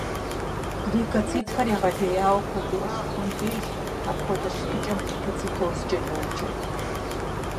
Лейкоцитхэр егъэлеяуэ куэдыӏуэ щыхъум деж, апхуэдэ щытыкӏэм лейкоцитозкӏэ йоджэ.